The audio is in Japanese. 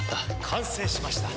完成しました。